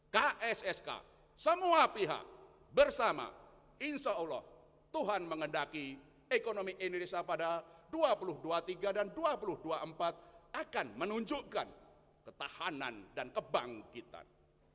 kssk semua pihak bersama insya allah tuhan mengendaki ekonomi indonesia pada dua ribu dua puluh tiga dan dua ribu dua puluh empat akan menunjukkan ketahanan dan kebangkitan